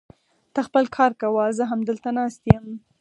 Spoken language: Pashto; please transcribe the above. ته خپل کار کوه، زه همدلته ناست يم.